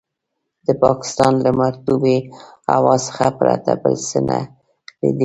د پاکستان له مرطوبې هوا څخه پرته بل څه نه دي لیدلي.